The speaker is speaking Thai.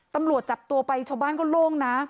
โดดจับตัวไปชาวบ้านก็โล่งนะ